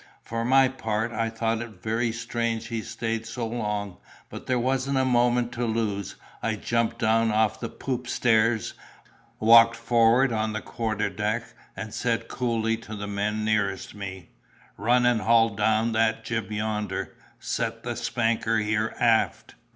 For my part, I thought it very strange he stayed so long; but there wasn't a moment to lose. I jumped down off the poop stairs, walked forward on the quarter deck, and said coolly to the men nearest me, 'Run and haul down that jib yonder—set the spanker here, aft.